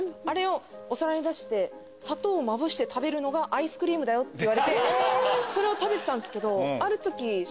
あれをお皿に出して砂糖をまぶして食べるのがアイスクリームだよって言われてそれを食べてたんですけどある時。